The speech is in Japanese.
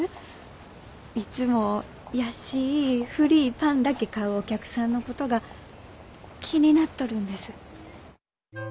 いつも安い古いパンだけ買うお客さんのことが気になっとるんです。